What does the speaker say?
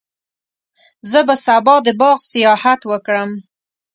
زه به سبا د باغ سیاحت وکړم.